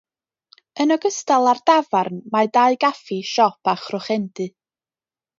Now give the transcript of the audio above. Yn ogystal â'r dafarn, mae dau gaffi, siop, a chrochendy.